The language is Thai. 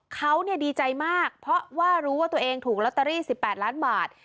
เขาดีใจมากเพราะว่ารู้ว่าตัวเองถูกลอตเตอรี่๑๘ล้านบาท